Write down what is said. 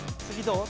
次。